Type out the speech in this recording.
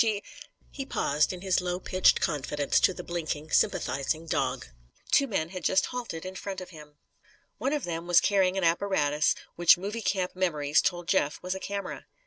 She " He paused in his low pitched confidence to the blinking, sympathising dog. Two men had halted just in front of him. One of them was carrying an apparatus which movie camp memories told Jeff was a camera.